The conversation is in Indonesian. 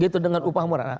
gitu dengan upah murah